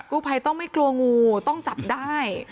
กู้ภัยต้องไม่กลัวงูต้องจับได้